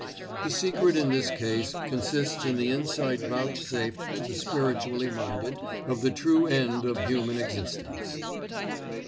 The secret in this case consists in the insight vouchsafed to the spiritually minded of the true end of human existence.